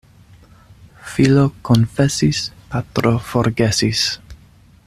Filo konfesis, patro forgesis.